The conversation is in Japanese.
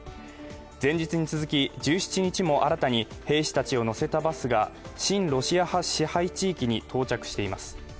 前日に続き１７日も新たに兵士たちを乗せたバスが親ロシア派支配地域に到着しています。